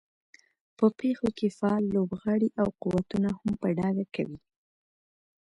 په پېښو کې فعال لوبغاړي او قوتونه هم په ډاګه کوي.